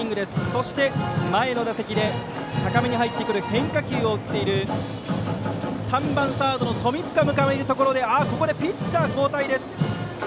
そして、前の打席で高めに入ってくる変化球を打っている３番サード、富塚を迎えるところでここでピッチャー交代です。